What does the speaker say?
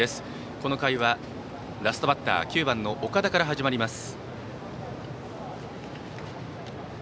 この回は、ラストバッター９番の岡田から始まります。